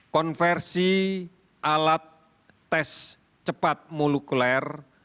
konversi alat tes cepat molekuler